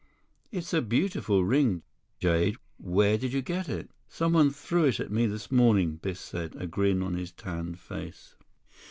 "It's a beautiful ring. Jade. Where did you get it?" "Someone threw it at me this morning," Biff said, a grin on his tanned face.